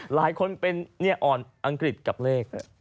หลายคนเป็นอ่อนอังกฤษกับเลข